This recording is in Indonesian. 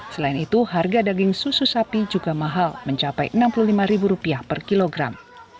selain itu harga daging susu sapi juga mahal mencapai rp enam puluh lima per kilogram